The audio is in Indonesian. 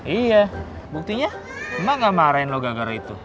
iya buktinya emak gak marahin lo gara gara itu